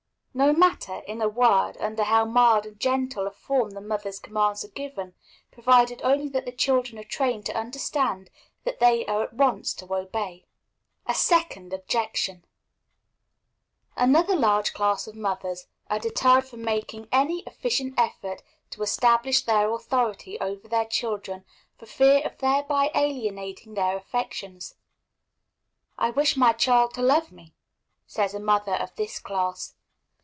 No matter, in a word, under how mild and gentle a form the mother's commands are given, provided only that the children are trained to understand that they are at once to be obeyed. A second Objection. Another large class of mothers are deterred from making any efficient effort to establish their authority over their children for fear of thereby alienating their affections. "I wish my child to love me," says a mother of this class.